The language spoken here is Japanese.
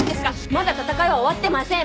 まだ闘いは終わってません。